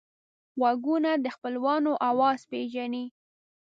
غوږونه د خپلوانو آواز پېژني